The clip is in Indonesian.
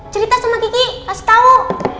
cerita sama kiki kasih tau